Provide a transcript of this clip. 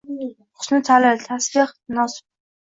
husni taʼlil, tashbeh, tanosub…